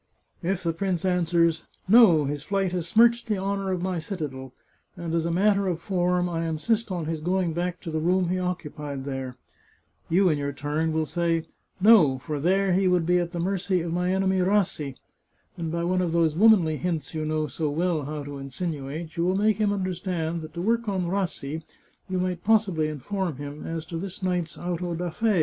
If the prince answers, * No ; his flight has smirched the honour of my citadel, and as a matter of form, I insist on his going back to the room he occupied there,* you in your turn will say, * No ; for there he would be at the mercy of my enemy Rassi,' and by one of those womanly hints you know so well how to insinuate, you will make him understand that to work on Rassi, you might possibly inform him as to this night's auto da fe.